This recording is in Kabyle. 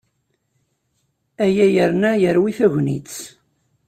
Aya yerna yerwi tagnit.